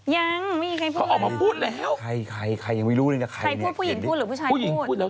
ยังมีใครพูดแล้วเขาออกมาพูดแล้ว